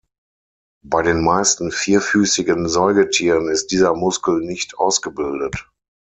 Bei den meisten vierfüßigen Säugetieren ist dieser Muskel nicht ausgebildet.